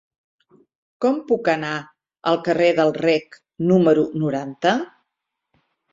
Com puc anar al carrer del Rec número noranta?